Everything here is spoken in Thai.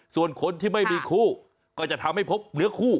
ส่วนคนที่ไม่มีคู่ก็จะทำให้พบเหลือคู่